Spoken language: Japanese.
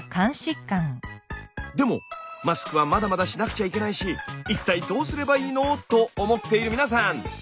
でもマスクはまだまだしなくちゃいけないし一体どうすればいいの？と思っている皆さん！